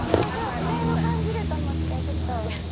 時代を感じると思ってちょっと。